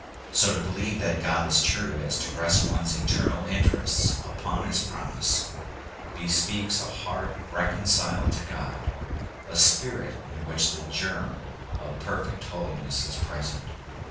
So to believe that God is true as to rest one's eternal interests upon his promise, bespeaks a heart reconciled to God, a spirit in which the germ of perfect holiness is present.